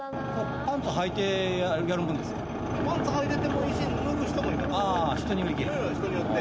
パンツはいていてもいいし脱ぐ人もいる。